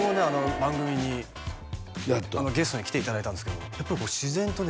番組にゲストに来ていただいたんですけどやっぱりこう自然とね